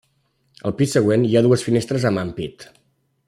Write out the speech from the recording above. Al pis següent hi ha dues finestres amb ampit.